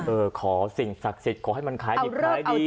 เออขอสิ่งศักดิ์สิทธิ์ขอให้มันขายดิบขายดี